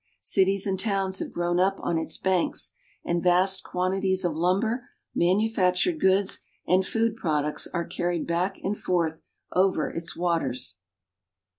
Cities and towns have grown up on its banks, and vast quantities of lumber, manufactured goods, and food products are carried back and forth over its waters.